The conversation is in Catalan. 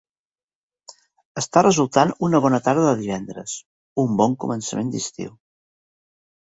Està resultant una bona tarda de divendres; un bon començament d'estiu.